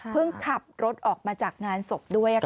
เพิ่งขับรถออกมาจากงานศพด้วยค่ะ